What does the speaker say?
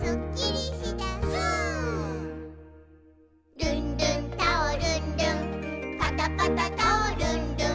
「ルンルンタオルン・ルンパタパタタオルン・ルン」